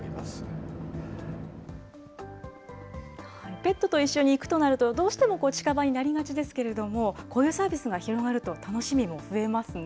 ペットと一緒に行くとなると、どうしても近場になりがちですけれども、こういうサービスが広がると楽しみも増えますね。